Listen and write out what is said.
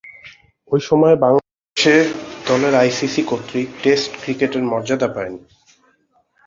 ঐ সময়ে বাংলাদেশ দলের আইসিসি কর্তৃক টেস্ট ক্রিকেটের মর্যাদা পায়নি।